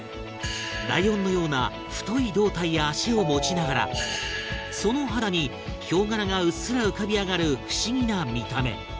ライオンのような太い胴体や脚を持ちながらその肌に、ヒョウ柄がうっすら浮かび上がる不思議な見た目